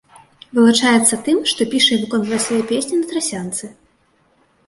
Вылучаецца тым, што піша і выконвае свае песні на трасянцы.